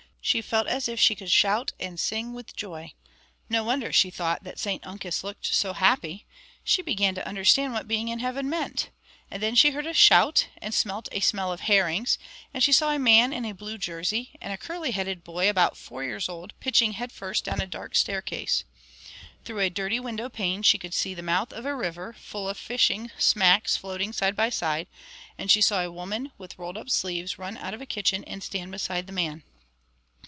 She felt as if she could shout and sing with joy. No wonder, she thought, that St Uncus looked so happy. She began to understand what being in Heaven meant. And then she heard a shout, and smelt a smell of herrings, and she saw a man in a blue jersey, and a curly headed boy, about four years old, pitching head first down a dark staircase. Through a dirty window pane she could see the mouth of a river, full of fishing smacks floating side by side; and she saw a woman, with rolled up sleeves, run out of a kitchen and stand beside the man.